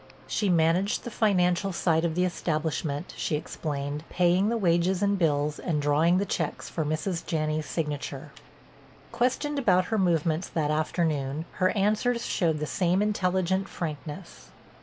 She managed the financial side of the establishment, she explained, paying the wages and bills and drawing the checks for Mrs. Janney's signature. Questioned about her movements that afternoon, her answers showed the same intelligent frankness.